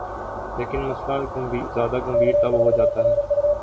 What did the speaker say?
لیکن مسئلہ زیادہ گمبھیر تب ہو جاتا ہے۔